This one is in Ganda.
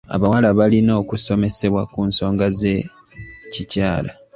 Abawala balina okusomesebwa ku nsonga z'ekikyala.